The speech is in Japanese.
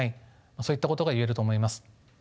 そういったことが言えると思います。